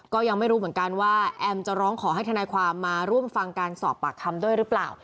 ก็ยังไม่รู้เหมือนกันว่าแอมจะร้องขอให้ทนายความมาร่วมฟังการสอบปากคำด้วยหรือเปล่า